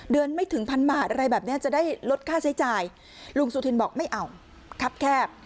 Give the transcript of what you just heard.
ไม่ถึงพันบาทอะไรแบบนี้จะได้ลดค่าใช้จ่ายลุงสุธินบอกไม่เอาครับแคบ